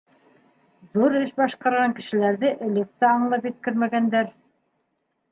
Ҙур эш башҡарған кешеләрҙе элек тә аңлап еткермәгәндәр.